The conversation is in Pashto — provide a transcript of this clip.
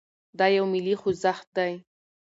دا يو ملي خوځښت دی.